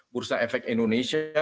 bursa efek indonesia